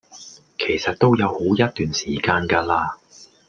其實都有好一段時間架喇